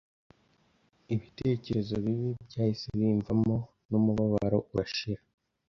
Ibitekerezo bibi byahise bimvamo, n’umubabaro urashira.